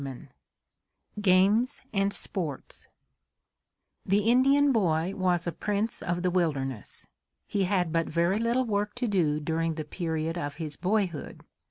IV GAMES AND SPORTS The Indian boy was a prince of the wilderness. He had but very little work to do during the period of his boyhood.